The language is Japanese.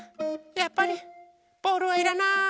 やっぱりボールはいらない。